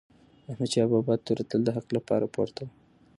د احمدشاه بابا توره تل د حق لپاره پورته وه.